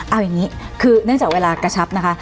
เอาอย่างนี้คือเนื่องจากเวลากระชับนะคะ